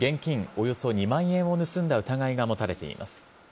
およそ２万円を盗んだ疑いが持たれています。